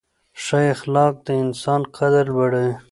ښه اخلاق د انسان قدر لوړوي.